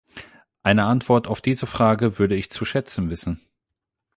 Eine Antwort auf diese Frage würde ich zu schätzen wissen.